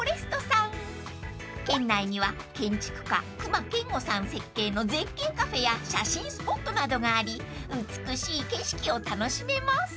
［園内には建築家隈研吾さん設計の絶景カフェや写真スポットなどがあり美しい景色を楽しめます］